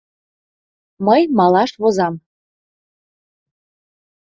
Мый малаш возам.